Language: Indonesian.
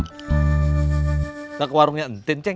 kita ke warungnya entin ceng